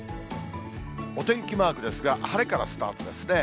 お天気マークですが、晴れからスタートですね。